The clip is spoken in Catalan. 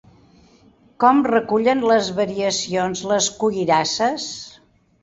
Com recullen les variacions les cuirasses?